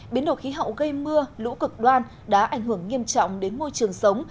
biến đổi khí hậu gây mưa lũ cực đoan đã ảnh hưởng nghiêm trọng đến môi trường sống